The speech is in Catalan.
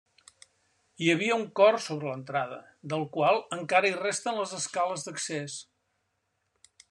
Hi havia un cor sobre l'entrada, del qual encara hi resten les escales d'accés.